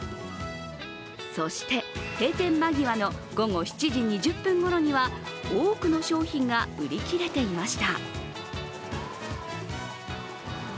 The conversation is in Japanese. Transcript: そして閉店間際の午後７時２０分ごろには多くの商品が売り切れていました。